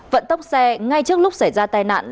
vận tốc xe ngay trước lúc xảy ra tai nạn